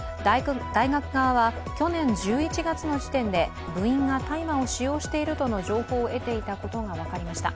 大学側は去年１１月の時点で部員が大麻を使用しているとの情報を得ていたことが分かりました。